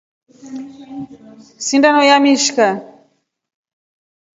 Sindono yamishka.